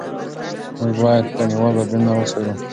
موږ باید نړیوال بدلونونه وڅارو.